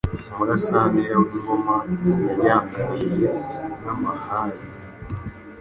Umurasanira w’ingoma yayanganiye n’amahari,